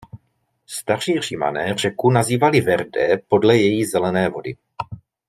Staří Římané řeku nazývali "Verde" podle její zelené vody.